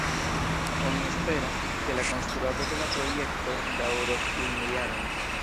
Oni esperas, ke la konstruado de la projekto daŭros unu jaron.